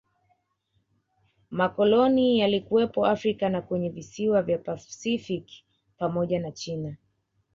Makoloni yalikuwepo Afrika na kwenye visiwa vya pasifiki pamoja na China